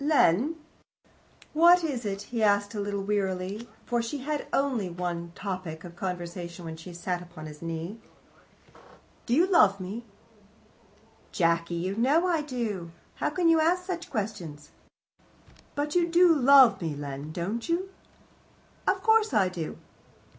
"Len " "What is it?" he asked, a little wearily, for she only had one topic of conversation when she sat upon his knee. "You do love me?" "Jacky, you know that I do. How can you ask such questions!" "But you do love me, Len, don't you?" "Of course I do."